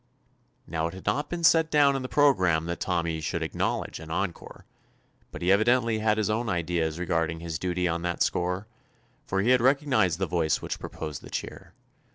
Now it had not been set down in the programme that Tommy should acknowledge an encore, but he evi dently had his own ideas regarding his duty on that score, for he had rec ognized the voice which proposed the 212 TOMMY POSTOFFICE cheer.